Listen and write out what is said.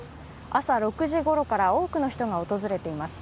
朝６時ごろから多くの人が訪れています。